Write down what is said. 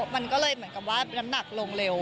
มันก็เลยเหมือนกับว่าน้ำหนักลงเร็ว